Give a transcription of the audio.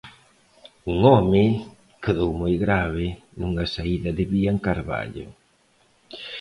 Un home quedou moi grave nunha saída de vía en Carballo.